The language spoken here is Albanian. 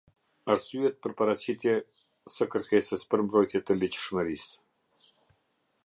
Arsyet për paraqitje së kërkesës për mbrojtje të ligjshmërisë.